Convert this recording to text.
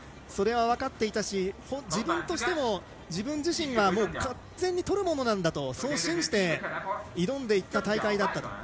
それは分かっていたし自分としても自分自身が完全にとるものなんだとそう信じて挑んでいった大会だった。